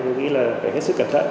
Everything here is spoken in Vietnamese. cũng nghĩ là phải hết sức cẩn thận